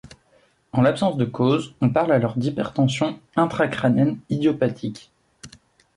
En l'absence de cause, on parle alors d'hypertension intracrânienne idiopathique.